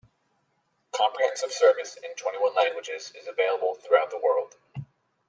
Comprehensive service in twenty-one languages is available throughout the world.